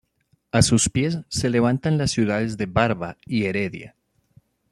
A sus pies se levantan las ciudades de Barva y Heredia.